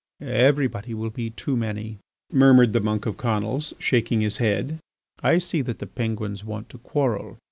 "Everybody will be too many," murmured the monk of Conils, shaking his head. "I see that the Penguins want to quarrel.